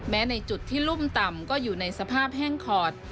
ในจุดที่รุ่มต่ำก็อยู่ในสภาพแห้งขอด